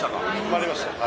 ありました。